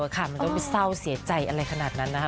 ค่ะมันไม่ต้องไปเศร้าเสียใจอะไรขนาดนั้นนะ